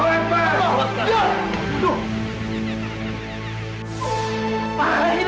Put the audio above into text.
awas kalau kalian tidak berhasil